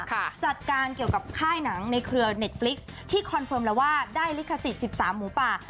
จัดการเกี่ยวกับค่ายหนังในเครือเน็ตฟลิกที่คอนเฟิร์มแล้วว่าได้ลิขสิทธิ์๑๓หมูป่า